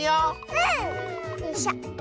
うん！よいしょ。